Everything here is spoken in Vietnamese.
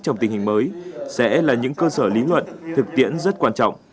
trong tình hình mới sẽ là những cơ sở lý luận thực tiễn rất quan trọng